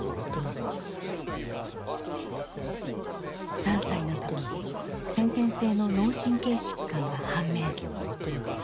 ３歳の時先天性の脳神経疾患が判明。